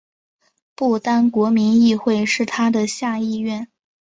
不丹国民议会是它的下议院。